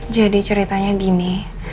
jadi ceritanya gini